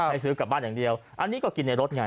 ให้ซื้อกลับบ้านอย่างเดียวอันนี้ก็กินในรถไง